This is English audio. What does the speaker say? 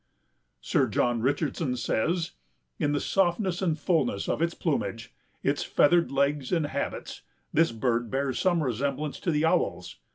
Sir John Richardson says, "In the softness and fullness of its plumage, its feathered legs and habits, this bird bears some resemblance to the owls.